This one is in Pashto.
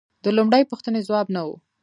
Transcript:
د لومړۍ پوښتنې ځواب نه و